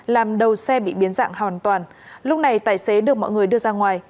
làm đầu xe bị biến dạng hoàn toàn lúc này tài xế được mọi người đưa ra ngoài